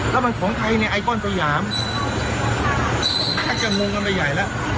แล้วมันของใครในไอคอนสยามถ้าจะงงอะไรใหญ่แล้ว